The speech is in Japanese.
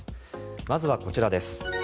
まずはこちらです。